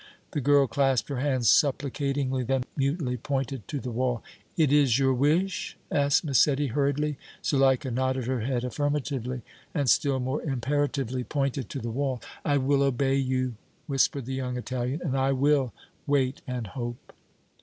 The girl clasped her hands supplicatingly, then mutely pointed to the wall. "It is your wish?" asked Massetti, hurriedly. Zuleika nodded her head affirmatively, and still more imperatively pointed to the wall. "I will obey you," whispered the young Italian, "and I will 'wait and hope!'"